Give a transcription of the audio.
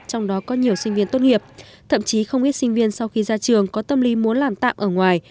trong đó có nhiều sinh viên tốt nghiệp thậm chí không ít sinh viên sau khi ra trường có tâm lý muốn làm tạm ở ngoài